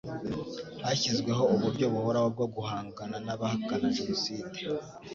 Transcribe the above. hashyizweho uburyo buhoraho bwo guhangana n abahakana jenoside